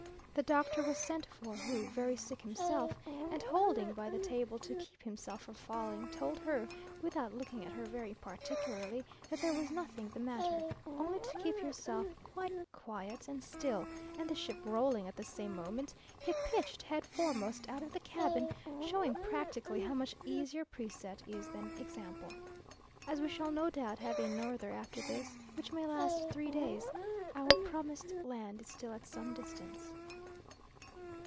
The doctor was sent for, who, very sick himself, and holding by the table to keep himself from falling, told her, without looking at her very particularly, that there was nothing the matter, only to keep yourself "quite quiet and still;" and the ship rolling at the same moment, he pitched head foremost out of the cabin, showing practically how much easier precept is than example. As we shall no doubt have a norther after this, which may last three days, our promised land is still at some distance.